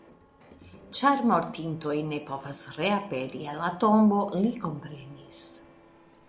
Ĉar mortintoj ne povas reaperi el la tombo, li komprenis.